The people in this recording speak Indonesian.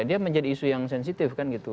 dia menjadi isu yang sensitif kan gitu